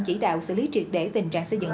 chỉ đạo xử lý triệt để tình trạng xây dựng